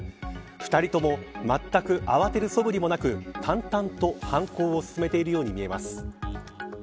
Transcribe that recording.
２人ともまったく慌てるそぶりもなく淡々と犯行を進めているように見えます。